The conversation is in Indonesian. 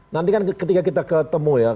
nanti kan ketika kita ketemu ya